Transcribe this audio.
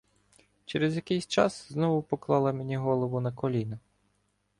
Через якийсь час знову поклала мені голову на коліна.